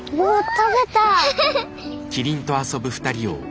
食べた！